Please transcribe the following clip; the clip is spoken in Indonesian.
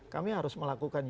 kami harus melakukan